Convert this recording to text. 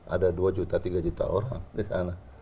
ada dua juta tiga juta orang di sana